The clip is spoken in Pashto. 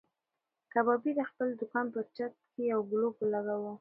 کبابي د خپل دوکان په چت کې یو ګلوب ولګاوه.